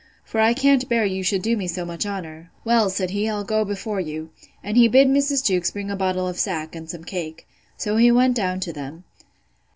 For I can't bear you should do me so much honour. Well, said he, I'll go before you. And he bid Mrs. Jewkes bring a bottle of sack, and some cake. So he went down to them.